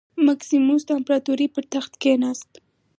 مکسیموس د امپراتورۍ پر تخت کېناست.